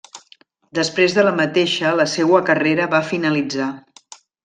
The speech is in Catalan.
Després de la mateixa la seua carrera va finalitzar.